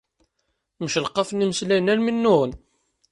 Mcelqafen imeslayen armi nnuɣen.